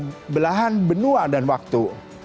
jadi ini adalah perbedaan benua dan waktu